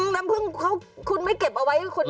น้ำผึ้งคุณไม่เก็บเอาไว้ให้คนเดียวเหรอครับ